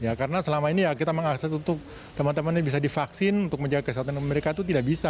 ya karena selama ini ya kita mengakses untuk teman teman ini bisa divaksin untuk menjaga kesehatan mereka itu tidak bisa